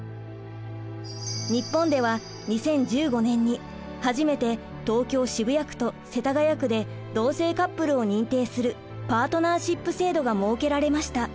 日本では２０１５年に初めて東京・渋谷区と世田谷区で同性カップルを認定するパートナーシップ制度が設けられました。